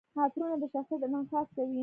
عطرونه د شخصیت انعکاس کوي.